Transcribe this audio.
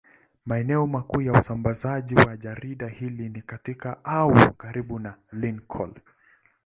Maeneo makuu ya usambazaji wa jarida hili ni katika au karibu na Lincoln.